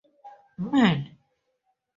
Man.